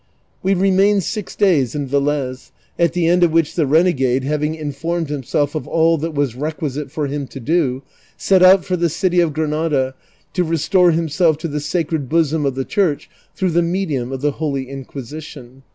We remained six days in Velez, at the end oi: which the renegade, having informed himself of all that was re(iuisite for him to do, set out for the city of Granada to restore himself to the sacred bosom of the Church through the medium of the Holy Inquisition.